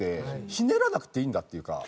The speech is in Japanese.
ひねらなくていいんだっていうか。